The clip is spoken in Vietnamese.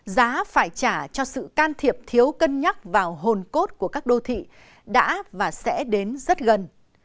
giá phải trả cho sự can thiệp thiếu cân nhắc vào hồn cốt của các đô thị đã và sẽ đến rất gần